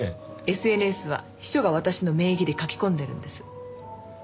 ＳＮＳは秘書が私の名義で書き込んでいるんです。